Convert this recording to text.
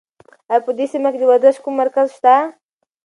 ایا په دې سیمه کې د ورزش کوم مرکز شته؟